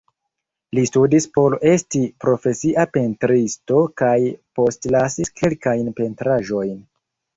Li studis por esti profesia pentristo kaj postlasis kelkajn pentraĵojn.